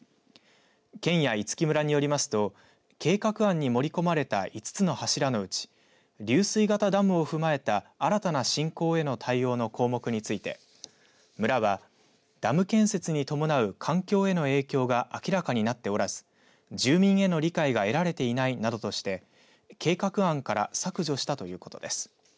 県や五木村によりますと計画案に盛り込まれた５つの柱のうち流水型ダム踏まえた新たな振興の対応の項目について村はダム建設に伴う環境への影響が明らかになっておらず住民への理解が得られていないなどとして計画案から削除したということです。